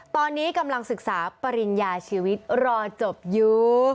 ตอนนี้กำลังศึกษาปริญญาชีวิตรอจบอยู่